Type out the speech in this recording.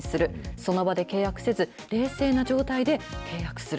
その場で契約せず、冷静な状態で契約する。